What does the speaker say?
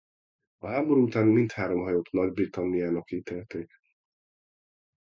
A háború után mindhárom hajót Nagy-Britanniának ítélték.